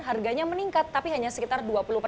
harganya meningkat tapi hanya sekitar dua puluh